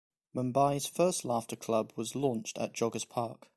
Mumbai's first laughter club was launched at Joggers Park.